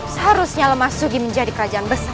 seharusnya lemah sugi menjadi kerajaan besar